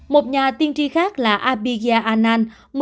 một nhà tiên tri khác là abiyah anand